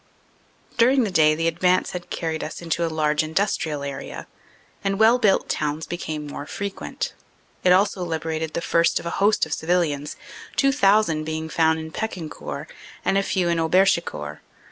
"During the day the advance had carried us into a large industrial area, and well built towns became more frequent. It also liberated the first of a host of civilians, 2,000 being found in Pecquencourt and a few in Auberchicourt.